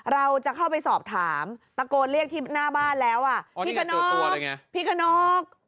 เราจะเข้าไปสอบถามตะโกนเรียกที่หน้าบ้านแล้วพี่กระนอก